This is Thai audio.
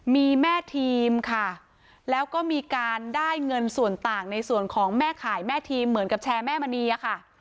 มีแม่ทีมค่ะแล้วก็มีการได้เงินส่วนต่างในส่วนของแม่ขายแม่ทีมเหมือนกับแชร์แม่มณีอะค่ะ